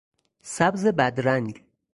سبز بدرنگ